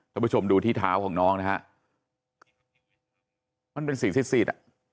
ผู้ชมดูที่เท้าของน้องนะฮะมันเป็นสีดอ่ะ